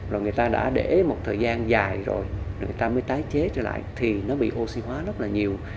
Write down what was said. rồi người ta đã để một thời gian dài rồi người ta mới tái chế trở lại thì nó bị oxy hóa rất là nhiều